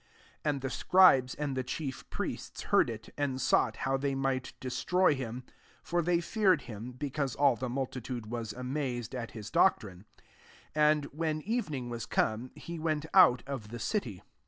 18 And the scribes and the chief^priests heard rV, and sought how they might destroy him: for thef feared him, because all the multitude was amazed at his doctrine. 19 And when even ing was come, he went out of the city.